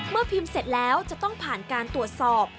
พิมพ์เสร็จแล้วจะต้องผ่านการตรวจสอบ